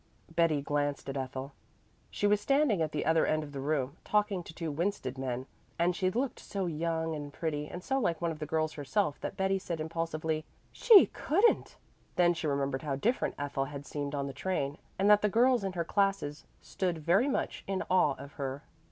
Betty glanced at Ethel. She was standing at the other end of the room, talking to two Winsted men, and she looked so young and pretty and so like one of the girls herself that Betty said impulsively, "She couldn't!" Then she remembered how different Ethel had seemed on the train, and that the girls in her classes stood very much in awe of her.